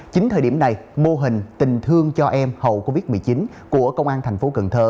chính thời điểm này mô hình tình thương cho em hậu covid một mươi chín của công an thành phố cần thơ